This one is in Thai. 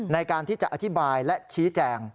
ในการที่จะอธิบายและชี้แจง